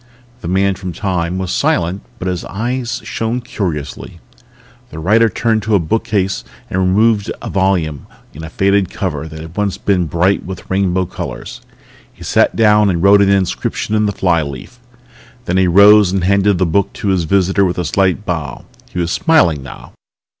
The Man from Time was silent but his eyes shone curiously. The writer turned to a bookcase and removed a volume in a faded cover that had once been bright with rainbow colors. He sat down and wrote an inscription on the flyleaf. Then he rose and handed the book to his visitor with a slight bow. He was smiling now.